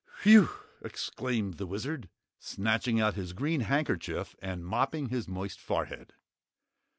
"Whew!" exclaimed the Wizard, snatching out his green handkerchief and mopping his moist forehead.